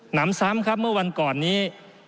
นำซ้ำครับเมื่อวันก่อนนี้